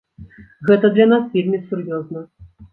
Гэта для нас вельмі сур'ёзна.